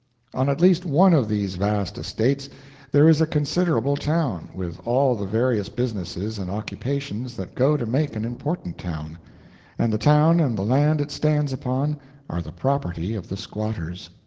On at least one of these vast estates there is a considerable town, with all the various businesses and occupations that go to make an important town; and the town and the land it stands upon are the property of the squatters.